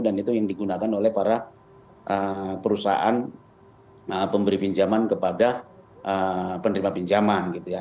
dan itu yang digunakan oleh para perusahaan pemberi pinjaman kepada penerima pinjaman gitu ya